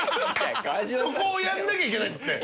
そこをやんなきゃいけないんですって。